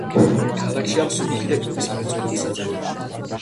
ქალაქშია მსუბუქი და კვების მრეწველობის საწარმოები.